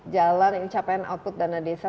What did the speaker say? jalan ini capaian output dana desa